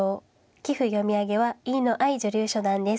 棋譜読み上げは飯野愛女流初段です。